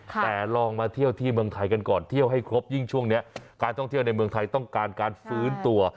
แต่ลองมาเที่ยวที่เมืองไทยกันก่อนเที่ยวให้ครบยิ่งช่วงนี้การท่องเที่ยวในเมืองไทยต้องการการฟื้นตัว